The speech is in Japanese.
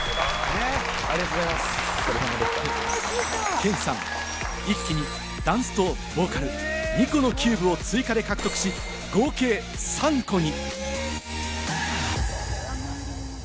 ケンさん、一気にダンスとボーカル２個のキューブを追加で獲得し、合計３個に。